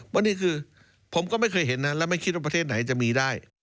วันนี้คือผมก็ไม่เคยเห็นนะและไม่คิดว่าประเทศไหนจะมีได้